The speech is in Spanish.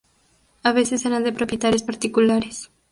A veces eran de propietarios particulares.